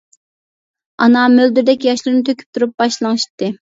ئانا مۆلدۈردەك ياشلىرىنى تۆكۈپ تۇرۇپ باش لىڭشىتتى.